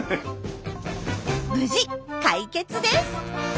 無事解決です！